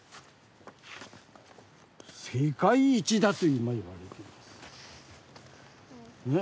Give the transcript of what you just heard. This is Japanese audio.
世界一だと今いわれてます。